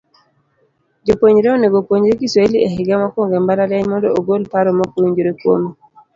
Jopuonjre onego opuonjre Kiswahili e higa mokwongo e mbalariany mondo ogol paro mokowinjore kuome.